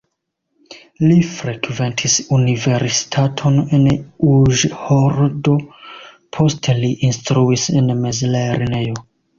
Li frekventis universitaton en Uĵhorodo, poste li instruis en mezlernejo.